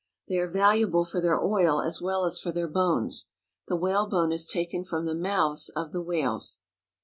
They are valuable for their oil as well as for the bones. The whale bone is taken from the mouths of the whales.